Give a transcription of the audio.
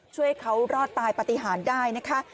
ช่วยเขารอดตายปฏิหารได้นะคะ